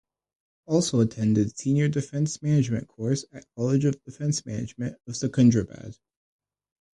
Also attended Senior Defence Management Course at College of Defence Management of Secundrabad.